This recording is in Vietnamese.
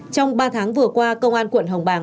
trong ba tháng vừa qua công an quận hồng bàng